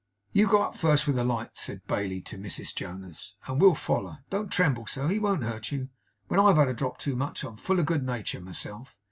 'You go up first with the light,' said Bailey to Mr Jonas, 'and we'll foller. Don't tremble so. He won't hurt you. When I've had a drop too much, I'm full of good natur myself.